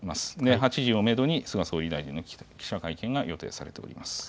８時をメドに菅総理大臣の記者会見が予定されております。